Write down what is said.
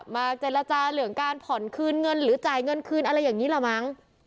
มาเจรจาเรื่องการผ่อนคืนเงินหรือจ่ายเงินคืนอะไรอย่างนี้เหรอมั้ง